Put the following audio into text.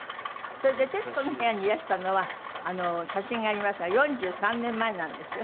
それで『徹子の部屋』にいらしたのは写真がありますが４３年前なんですよ。